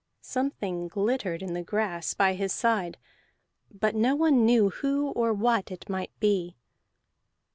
Something glittered in the grass by his side, but no one knew who or what it might be.